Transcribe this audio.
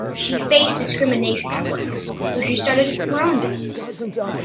She faced discrimination at work, so she started her own business.